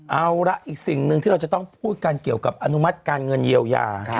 เอาละอีกสิ่งหนึ่งที่เราจะต้องพูดกันเกี่ยวกับอนุมัติการเงินเยียวยา